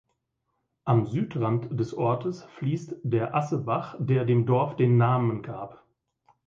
Am Südrand des Ortes fließt der "Asse"-Bach, der dem Dorf den Namen gab.